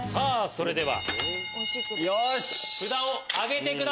それでは札を挙げてください。